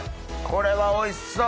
これはおいしそう！